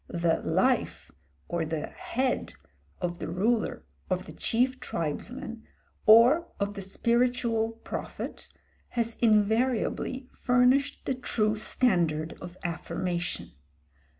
The life or the head of the ruler of the chief tribesman, or of the spiritual prophet, has invariably furnished the true standard of affirmation.